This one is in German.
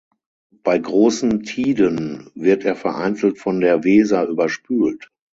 Bei großen Tiden wird er vereinzelt von der Weser überspült.